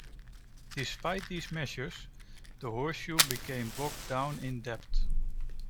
Despite these measures, the Horseshoe became bogged down in debt.